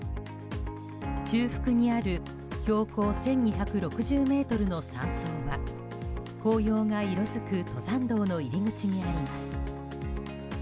中腹にある標高１２６０ｍの山荘は紅葉が色づく登山道の入り口にあります。